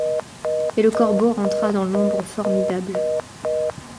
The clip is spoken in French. Et le corbeau rentra dans l’ombre formidable.